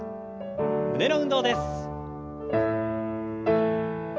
胸の運動です。